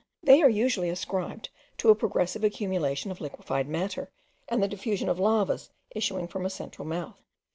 They are usually ascribed to a progressive accumulation of liquified matter, and the diffusion of lavas issuing from a central mouth.)